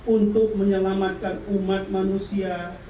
untuk menyelamatkan umat manusia